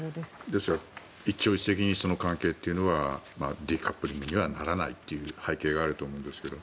ですから一朝一夕にその関係というのはデカップリングにはならないという背景があると思うんですが。